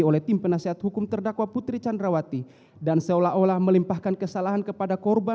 oleh tim penasehat hukum terdakwa putri candrawati dan seolah olah melimpahkan kesalahan kepada korban